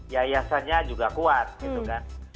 yayasannya juga kuat gitu kan